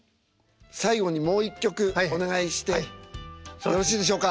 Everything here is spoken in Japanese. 最後にもう一曲お願いしてよろしいでしょうか。